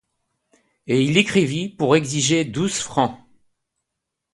Et il écrivit pour exiger douze francs.